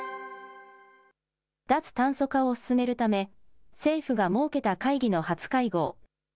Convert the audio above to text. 脱炭素化を進めるため、政府が設けた会議の初会合。